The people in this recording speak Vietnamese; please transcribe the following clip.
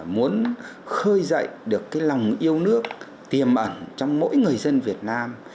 muốn khơi dậy được cái lòng yêu nước tiềm ẩn trong mỗi người dân việt nam